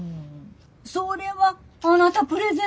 それはあなたプレゼントしてよ